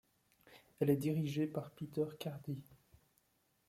Elle est dirigée par Peter Cardy.